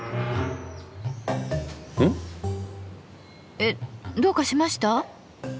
えっどうかしました？